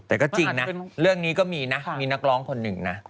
แต่ก็จริงนะเรื่องนี้ก็มีนะมีนักร้องคนหนึ่งนะ